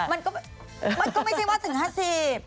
มันก็ไม่ใช่ว่าถึงห้าสิบ